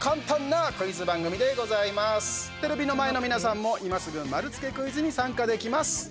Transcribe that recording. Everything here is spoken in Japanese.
テレビの前の皆さんも今すぐ丸つけクイズに参加できます。